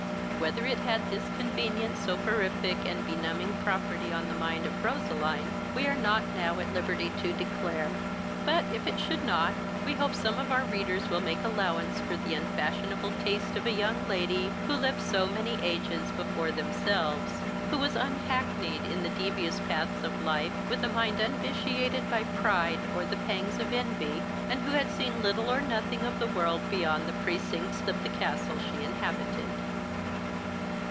Whether it had this convenient soporific, and be numbing property on the mind of Roseline, we are not now at liberty to declare; but, if it should not, we hope some of our readers will make allowance for the unfashionable taste of a young lady, who lived so many ages before themselves; who was unhacknied in the devious paths of life, with a mind unvitiated by pride or the pangs of envy, and who had seen little or nothing of the world beyond the precincts of the castle she inhabited.